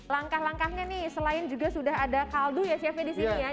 langkah langkahnya nih selain juga sudah ada kaldu ya chefnya di sini ya